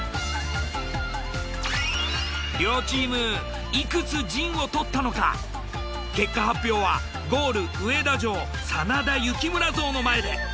両チームいくつ陣を取ったのか結果発表はゴール上田城真田幸村像の前で。